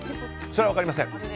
それは分かりません。